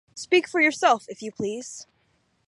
Speak for yourself, if you please.